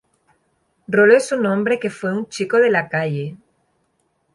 Rolo es un hombre que fue un chico de la calle.